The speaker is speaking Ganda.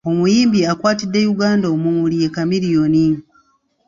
Omuyimbi akwatidde Uganda omumuli ye Chameleon.